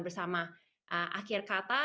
bersama akhir kata